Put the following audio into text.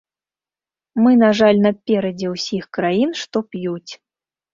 Мы, на жаль, наперадзе ўсіх краін, што п'юць.